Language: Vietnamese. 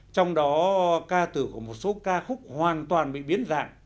trong đó ca tử của một số ca khúc hoàn toàn bị biến dạng